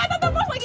eh tunggu tunggu